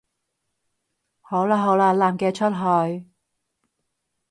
好喇好喇，男嘅出去